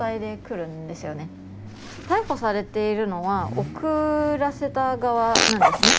逮捕されているのは送らせた側なんですね。